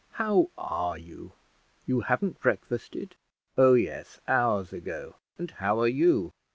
how are you? You haven't breakfasted?" "Oh yes, hours ago. And how are you?"